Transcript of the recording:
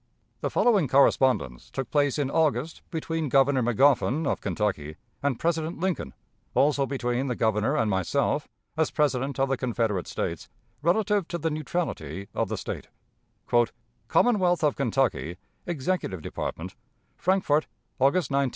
The following correspondence took place in August, between Governor Magoffin, of Kentucky, and President Lincoln also between the Governor and myself, as President of the Confederate States relative to the neutrality of the State: "Commonwealth of Kentucky, Executive Department, "Frankfort, August 19,1861.